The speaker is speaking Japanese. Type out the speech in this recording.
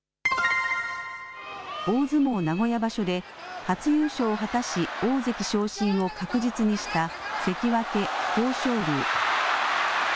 大相撲名古屋場所で初優勝を果たし大関昇進を確実にした関脇・豊昇龍。